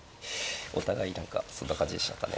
お互い何かそんな感じでしたかね。